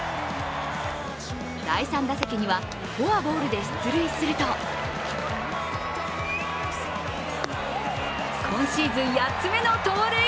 第３打席にはフォアボールで出塁すると今シーズン８つ目の盗塁。